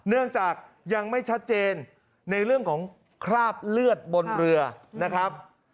เนื่องจากยังไม่ชัดเจนในเรื่องของคราบเลือดบนเรือนะครับ